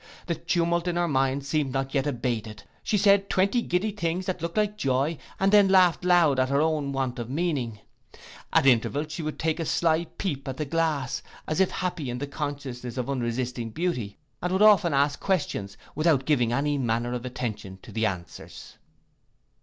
The tumult in her mind seemed not yet abated; she said twenty giddy things that looked like joy, and then laughed loud at her own want of meaning. At intervals she would take a sly peep at the glass, as if happy in the consciousness of unresisting beauty, and often would ask questions, without giving any manner of attention to the answers.